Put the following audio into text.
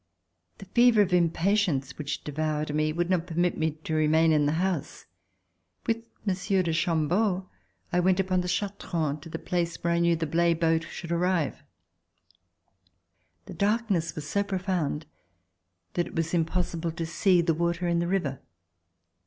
The fever of impatience which devoured me would not permit me to remain in the house. With Monsieur de Chambeau I went upon the Chartrons to the place where I knew the Blaye boat should arrive. The darkness was so profound that it was impossible to see the water in the river.